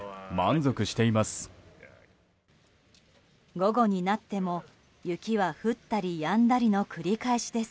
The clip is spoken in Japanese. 午後になっても雪は降ったりやんだりの繰り返しです。